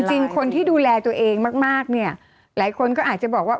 จริงคนที่ดูแลตัวเองมากเนี่ยหลายคนก็อาจจะบอกว่า